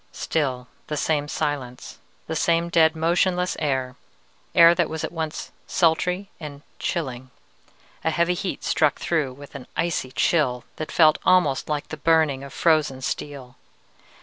"Still the same silence, the same dead, motionless air air that was at once sultry and chilling: a heavy heat struck through with an icy chill that felt almost like the burning of frozen steel.